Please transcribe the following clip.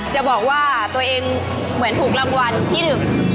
จะบอกว่าตัวเองเหมือนถูกรางวัลที่หนึ่ง